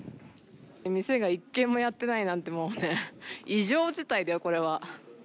店が１軒もやってないなんて、もうね、異常事態だよ、これは。